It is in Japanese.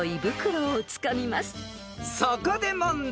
［そこで問題］